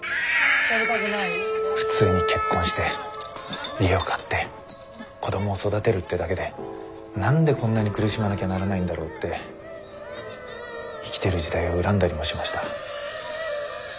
普通に結婚して家を買って子供を育てるってだけで何でこんなに苦しまなきゃならないんだろうって生きてる時代を恨んだりもしました。